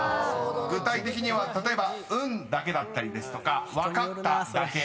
［具体的には例えば「うん」だけだったりですとか「分かった」だけ］